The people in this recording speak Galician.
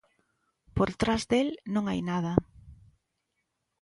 Por tras del non hai nada.